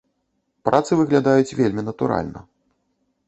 Працы выглядаюць вельмі натуральна.